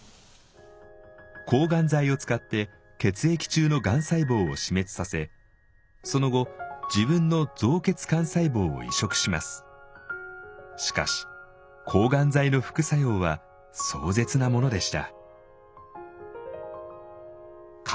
抗がん剤を使って血液中のがん細胞を死滅させその後自分のしかし抗がん剤の副作用は壮絶なものでした。